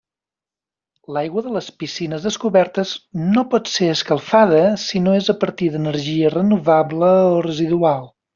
L'aigua de les piscines descobertes no pot ser escalfada si no és a partir d'energia renovable o residual.